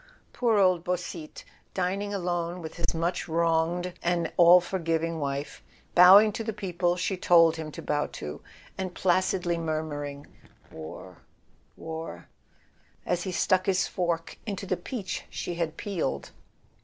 Poor old Beausite, dining alone with his much wronged and [ 33 ] A SON AT THE FRONT all forgiving wife, bowing to the people she told him to bow to, and placidly murmuring: "War—war," as he stuck his fork into the peach she had peeled!